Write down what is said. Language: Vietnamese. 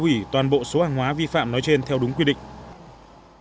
qua kiểm tra tài xế hoàng không xuất trình được hóa đơn chứng từ chứng minh nguồn gốc số hàng trên